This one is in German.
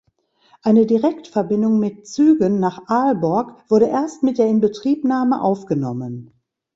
Eine Direktverbindung mit Zügen nach Aalborg wurde erst mit der Inbetriebnahme aufgenommen.